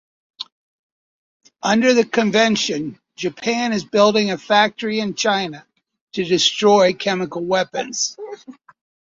Under the convention, Japan is building a factory in China to destroy chemical weapons.